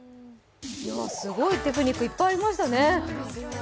すごいテクニックいっぱいありましたね